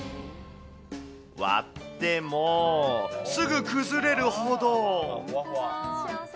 割っても、すぐ崩れるほど。